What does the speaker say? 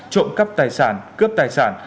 trộm cắp tài sản cướp tài sản